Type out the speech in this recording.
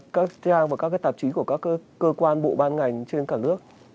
các trang và các tạp chí của các cơ quan bộ ban ngành trên cả nước